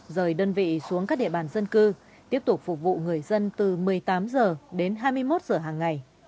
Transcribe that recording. rời đơn vị xuống các địa bàn dân cư tiếp tục phục vụ người dân từ một mươi tám h đến hai mươi một h hàng ngày